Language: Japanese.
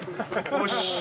よし！